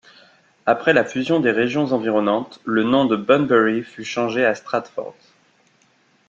Après la fusion des régions environnantes, le nom de Bunbury fut changé à Stratford.